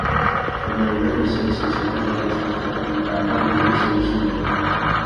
Permainan bisa diselesaikan dengan sangat cepat jika Anda diberi solusinya.